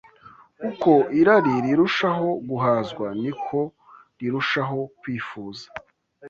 Uko irari rirushaho guhazwa, niko rirushaho kwifuza